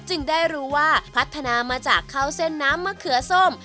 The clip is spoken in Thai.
ได้รู้ว่าพัฒนามาจากข้าวเส้นน้ำมะเขือส้ม